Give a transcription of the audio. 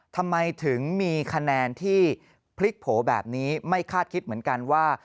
ทำไมถึงมีคะแนนที่พลิกโผล่แบบนี้ไม่คาดคิดเหมือนกันว่า